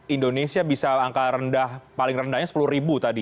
indonesia bisa angka rendah paling rendahnya sepuluh ribu tadi